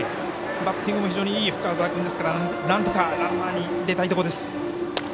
バッティングも非常にいい深沢君ですからなんとか出たいところです。